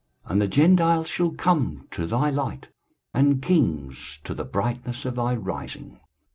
23:060:003 And the Gentiles shall come to thy light, and kings to the brightness of thy rising.